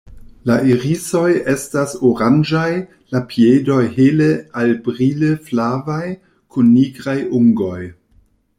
La irisoj estas oranĝaj, la piedoj hele al brile flavaj kun nigraj ungoj.